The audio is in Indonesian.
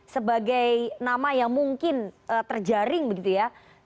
sebagai nama yang mungkin terjaring begitu ya